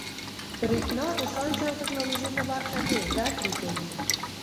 برېښنا د ساینس او ټيکنالوجۍ په برخه کي زده کړي کوي.